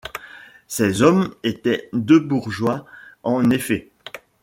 Ces hommes étaient deux bourgeois en effet.